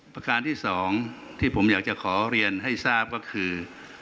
ประการที่สองที่ผมอยากจะขอเรียนให้ทราบก็คือ